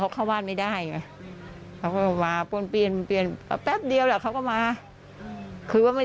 ความพูด